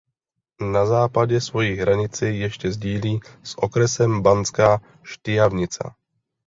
Na západě svoji hranici ještě sdílí s okresem Banská Štiavnica.